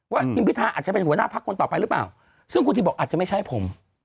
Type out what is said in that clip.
ทีมพิทาอาจจะเป็นหัวหน้าพักคนต่อไปหรือเปล่าซึ่งคุณทิมบอกอาจจะไม่ใช่ผม